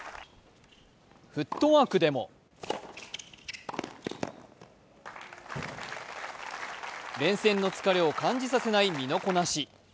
フットワークでも連戦の疲れを感じさせない身のこなし。